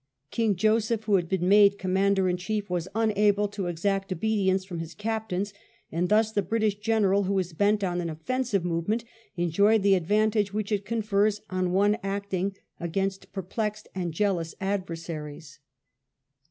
King Joseph, who had heen made Commander in Chief, was unable to exact obedience from his captains ; and thus the British General, who was bent on an offensive movement^ enjoyed the advantage which it confers on one acting against perplexed and jealous adversaries.